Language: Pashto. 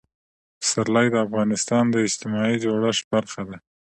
پسرلی د افغانستان د اجتماعي جوړښت برخه ده.